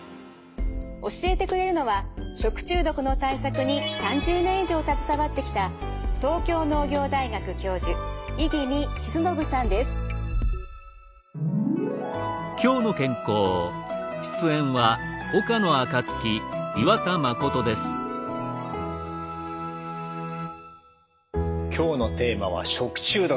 教えてくれるのは食中毒の対策に３０年以上携わってきた今日のテーマは食中毒。